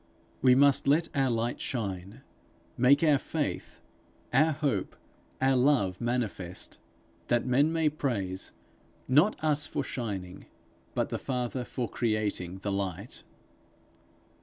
We must let our light shine, make our faith, our hope, our love, manifest that men may praise, not us for shining, but the Father for creating the light.